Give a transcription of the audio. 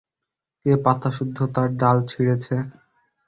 কে পাতাসুদ্ধ তার ডাল ছিঁড়েছে?